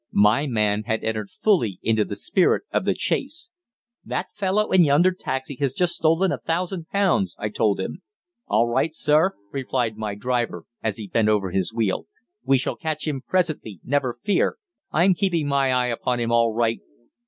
My man had entered fully into the spirit of the chase. "That fellow in yonder taxi has just stolen a thousand pounds!" I told him. "All right, sir," replied my driver, as he bent over his wheel; "we shall catch him presently, never fear. I'm keeping my eye upon him all right."